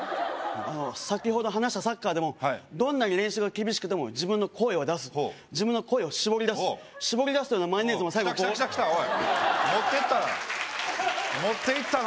あの先ほど話したサッカーでもはいどんなに練習が厳しくても自分の声を出すほうほう自分の声をしぼり出すしぼり出すというのはマヨネーズも最後こうきたきたきたきたおい持ってったな持っていったな